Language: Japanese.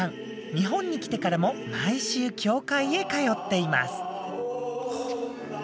日本に来てからも毎週教会へ通っています。